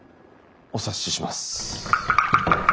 お察しします。